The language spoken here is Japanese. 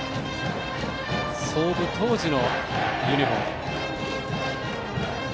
創部当時のユニフォーム。